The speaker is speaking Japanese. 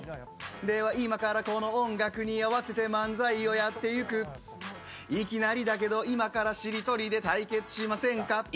では今からこの音楽に合わせてしりとりをやっていくいきなりだけど今からしりとりで対決しませんか？